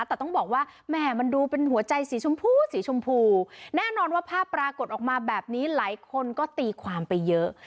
แต่ต้องบอกว่าแหม่มันดูเป็นหัวใจสีชมพูสีชมพูแน่นอนว่าภาพปรากฏออกมาแบบนี้หลายคนก็ตีความไปเยอะ